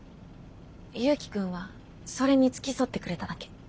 祐樹君はそれに付き添ってくれただけ。